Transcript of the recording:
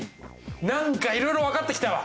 何かいろいろ分かってきたわ。